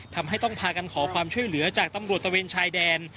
ทำให้ต้องพากันขอความช่วยเหลือจากตำรวจตะเวนชายแดน